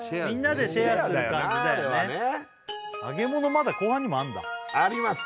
まだ後半にもあるんだあります